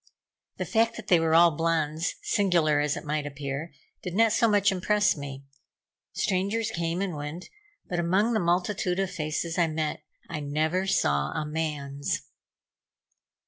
The fact that they were all blondes, singular as it might appear, did not so much impress me. Strangers came and went, but among the multitude of faces I met, I never saw a man's.